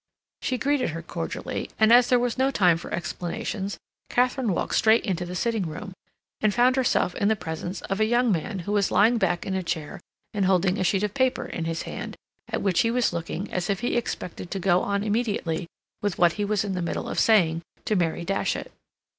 She greeted her cordially, and, as there was no time for explanations, Katharine walked straight into the sitting room, and found herself in the presence of a young man who was lying back in a chair and holding a sheet of paper in his hand, at which he was looking as if he expected to go on immediately with what he was in the middle of saying to Mary Datchet.